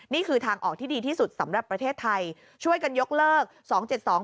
นี่คือทางออกที่ดีที่สุดสำหรับประเทศไทยช่วยกันยกเลิกสองเจ็ดสอง